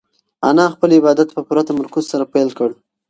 انا خپل عبادت په پوره تمرکز سره پیل کړ.